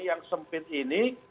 yang sempit ini